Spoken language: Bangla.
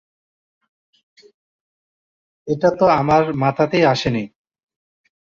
এটা তো আমার মাথাতেই আসে নি।